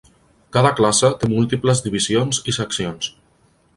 Cada classe té múltiples divisions i seccions.